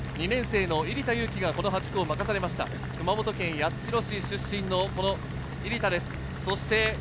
２年生の入田優希、８区を任されました熊本県八代市出身の入田です。